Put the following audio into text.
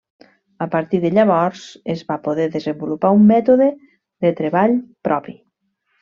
A partir de llavors es va poder desenvolupar un mètode de treball propi.